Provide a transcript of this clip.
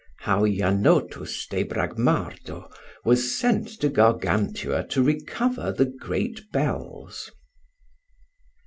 How Janotus de Bragmardo was sent to Gargantua to recover the great bells.